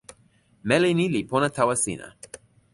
meli ni li pona tawa sina.